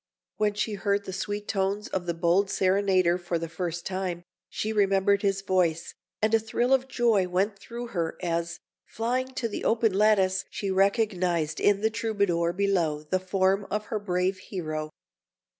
When she heard the sweet notes of the bold serenader for the first time, she remembered his voice, and a thrill of joy went through her as, flying to the open lattice, she recognised in the Troubadour below the form of her brave hero.